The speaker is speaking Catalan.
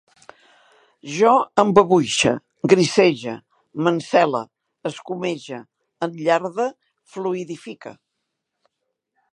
Jo embabuixe, grisege, m'encele, escumege, enllarde, fluïdifique